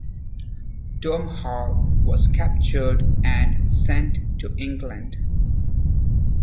Domhall was captured and sent to England.